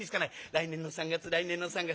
「来年の三月来年の三月」。